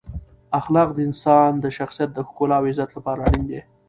اخلاق د انسان د شخصیت د ښکلا او عزت لپاره اړین دی.